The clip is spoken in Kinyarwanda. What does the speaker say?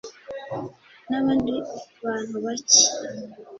n abandi bantu bake